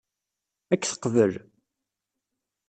Ad k-teqbel?